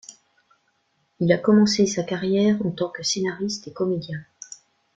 Il a commencé sa carrière en tant que scénariste et comédien.